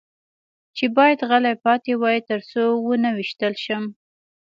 چې باید غلی پاتې وای، تر څو و نه وېشتل شم.